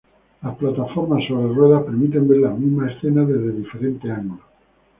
Las plataformas sobre ruedas permiten ver la misma escena desde diferentes ángulos.